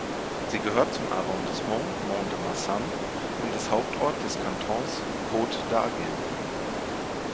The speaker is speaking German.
Sie gehört zum Arrondissement Mont-de-Marsan und ist Hauptort des Kantons Côte d’Argent.